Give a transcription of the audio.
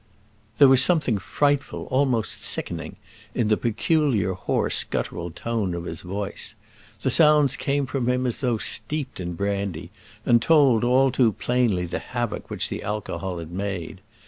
There was something frightful, almost sickening, in the peculiar hoarse guttural tone of his voice. The sounds came from him as though steeped in brandy, and told, all too plainly, the havoc which the alcohol had made.